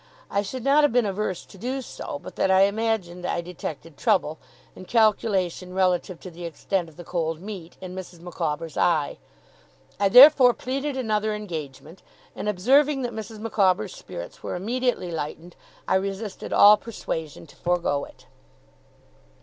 I should not have been averse to do so, but that I imagined I detected trouble, and calculation relative to the extent of the cold meat, in Mrs. Micawber's eye. I therefore pleaded another engagement; and observing that Mrs. Micawber's spirits were immediately lightened, I resisted all persuasion to forego it.